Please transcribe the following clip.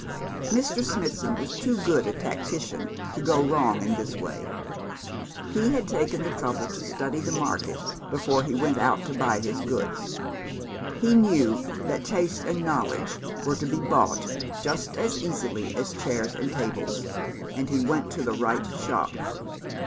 Mr. Smithson was too good a tactician to go wrong in this way. He had taken the trouble to study the market before he went out to buy his goods. He knew that taste and knowledge were to be bought just as easily as chairs and tables, and he went to the right shop.